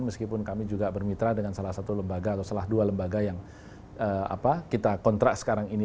meskipun kami juga bermitra dengan salah satu lembaga atau salah dua lembaga yang kita kontrak sekarang ini